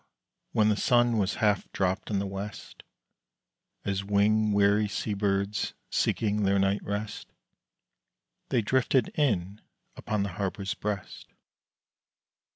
when the sun was half dropt in the west, As wing weary sea birds seeking their night rest, They drifted in upon the harbor's breast.